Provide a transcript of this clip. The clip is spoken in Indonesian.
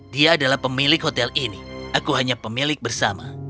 dia adalah pemilik hotel ini aku hanya pemilik bersama